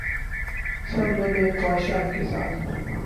سب نے نیک خواہشات کے ساتھ